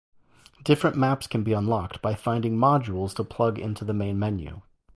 Different maps can be unlocked by finding "modules" to plug into the main menu.